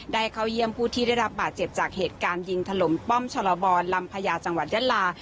เข้าเยี่ยมผู้ที่ได้รับบาดเจ็บจากเหตุการณ์ยิงถล่มป้อมชลบรลำพญาจังหวัดยะลา